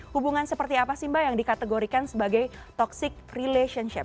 hubungan seperti apa sih mbak yang dikategorikan sebagai toxic relationship